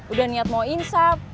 udah niat mau insap